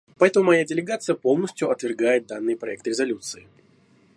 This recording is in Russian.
Поэтому моя делегация полностью отвергает данный проект резолюции.